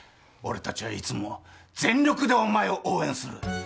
俺たちはいつも全力でお前を応援する。